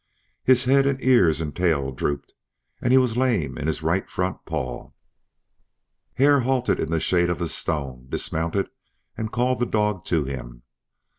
His head and ears and tail drooped, and he was lame in his right front paw. Hare halted in the shade of a stone, dismounted and called the dog to him.